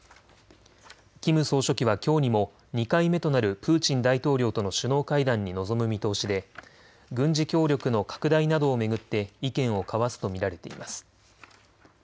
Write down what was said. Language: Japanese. キム総書記はきょうにも２回目となるプーチン大統領との首脳会談に臨む見通しで軍事協力の拡大などを巡って意見を交わすと見られています。